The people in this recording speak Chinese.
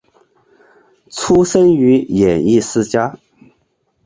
出身于演艺世家。